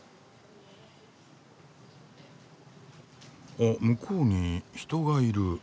あ向こうに人がいる。